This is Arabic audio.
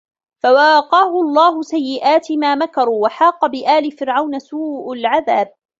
فَوَقاهُ اللَّهُ سَيِّئَاتِ ما مَكَروا وَحاقَ بِآلِ فِرعَونَ سوءُ العَذابِ